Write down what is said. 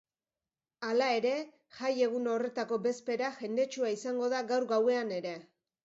Hala ere, jai egun horretako bezpera jendetsua izango da gaur gauean ere.